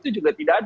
itu juga tidak ada